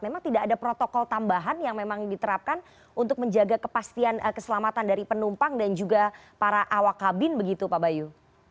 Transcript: memang tidak ada protokol tambahan yang memang diterapkan untuk menjaga kepastian keselamatan dari penumpang dan juga para awak kabin begitu pak bayu